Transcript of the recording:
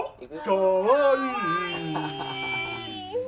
かわいい。